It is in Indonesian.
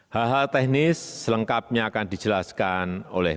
hal hal teknis selengkapnya akan dijelaskan oleh